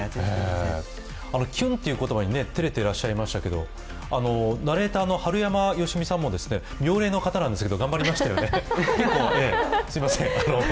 キュンという言葉にてれてらっしゃいましたけどナレーターの春山さんも妙齢の方なんですけど、頑張りましたよね。